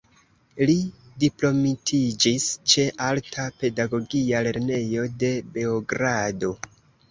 Li diplomitiĝis ĉe Alta Pedagogia Lernejo de Beogrado.